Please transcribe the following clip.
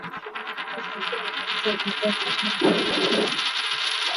katibu mkuu wa baraza la habari nchini rwanda